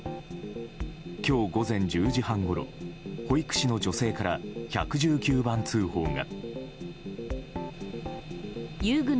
今日午前１０時半ごろ保育士の女性から１１９番通報が。